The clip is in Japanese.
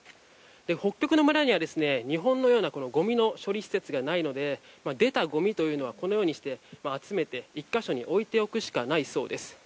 北極の村には日本のようなごみの処理施設がないので出たごみはこのようにして集めて１か所に置いておくしかないそうです。